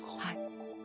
はい。